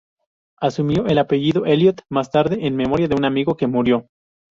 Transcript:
Asumió el apellido Elliot más tarde, en memoria de un amigo que murió.